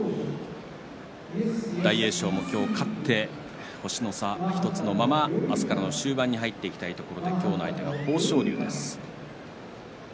大栄翔も今日、勝って星の差１つのまま明日からの終盤に入っていきたいところで今日の相手は豊昇龍です。